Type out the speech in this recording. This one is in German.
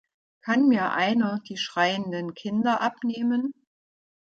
Kann mir einer die schreienden Kinder abnehmen?